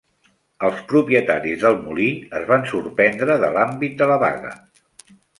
Els propietaris del molí es van sorprendre de l'àmbit de la vaga.